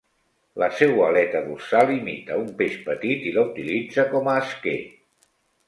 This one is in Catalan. La seua aleta dorsal imita un peix petit i la utilitza com a esquer.